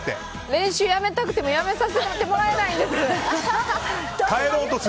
練習やめたくてもやめさせてもらえないんです。